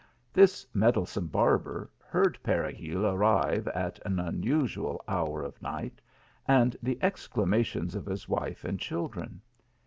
This meddlesome barber heard Peregil arrive at an unusual hour of night, and the exclamations of his wife and children.